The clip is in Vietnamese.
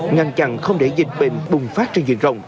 ngăn chặn không để dịch bệnh bùng phát trên diện rộng